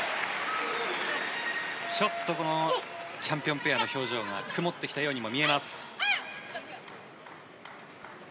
ちょっとチャンピオンペアの表情が曇ってきたようにも見えます。